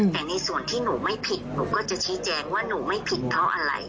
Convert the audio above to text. แต่ในส่วนที่หนูไม่ผิดหนูก็จะชี้แจงว่าหนูไม่ผิดเพราะอะไร